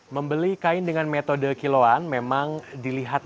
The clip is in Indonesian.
membeli kain dengan metode kiloan memang dilihat